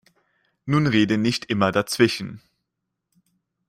Nun rede nicht immer dazwischen!